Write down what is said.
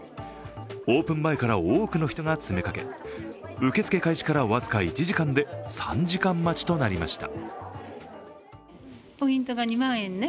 オープン前から多くの人が詰めかけ、受け付け開始から僅か１時間で３時間待ちとなりました。